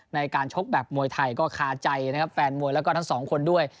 ในการชกแบบมวยไทยก็คาใจนะครับแฟนมวยแล้วก็ทั้งสองคนด้วย